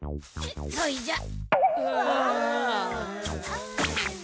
そいじゃあ。